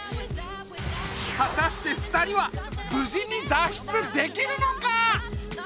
はたして二人はぶじに脱出できるのか？